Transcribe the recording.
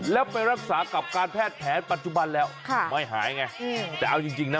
แล้วไปรักษากับการแพทย์แผนปัจจุบันแล้วค่ะไม่หายไงแต่เอาจริงจริงนะ